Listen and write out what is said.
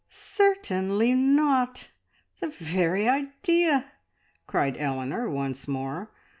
"Cer tain ly not! The very idea!" cried Eleanor once more.